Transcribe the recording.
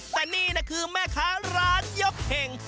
แต่นี่นะคือแม่ค้าร้านยกเห่ง